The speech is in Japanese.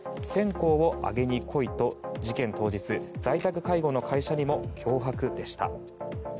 線香をあげに来いと事件当日、在宅介護の会社にも脅迫でした。